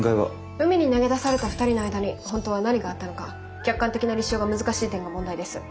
海に投げ出された２人の間に本当は何があったのか客観的な立証が難しい点が問題です。